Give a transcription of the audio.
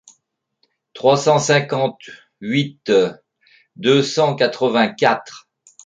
trois cent cinquante-huit deux cent quatre-vingt-quatre.